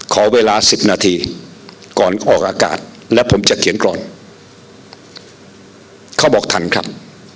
ขอเวลาสิบนาทีก่อนออกอากาศและผมจะเขียนกรอนเขาบอกทันครับ